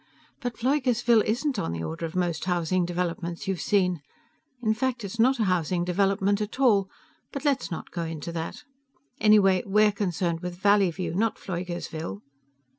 "But Pfleugersville isn't on the order of most housing developments you've seen. In fact, it's not a housing development at all. But let's not go into that. Anyway, we're concerned with Valleyview, not Pfleugersville."